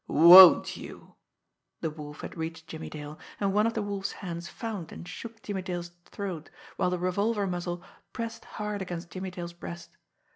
"Won't you?" The Wolf had reached Jimmie Dale, and one of the Wolf's hands found and shook Jimmie Dale's throat, while the revolver muzzle pressed hard against Jimmie Dale's breast.